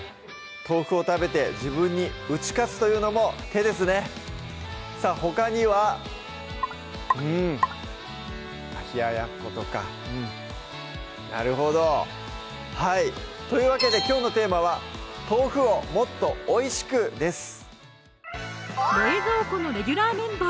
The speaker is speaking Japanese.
豆腐を食べて自分に打ち勝つというのも手ですねさぁほかにはうん冷ややっことかうんなるほどはいというわけできょうのテーマは「豆腐をもっとおいしく」です